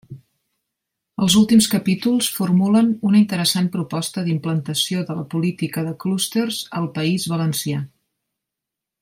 Els últims capítols formulen una interessant proposta d'implantació de la política de clústers al País Valencià.